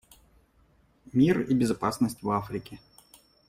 Мир и безопасность в Африке.